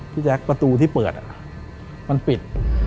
แจ๊คประตูที่เปิดมันปิด